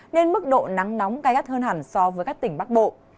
nên mức độ nắng nóng gai gắt hơn hẳn so với các tỉnh bắc bộ